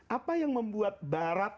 apa yang membuat barat